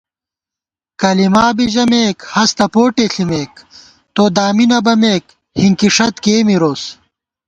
کَلِما بی ژَمېک، ہستہ پوٹے ݪِمېک * تو دامی نہ بَمېک، ہِنکِݭَت کېئی مِروس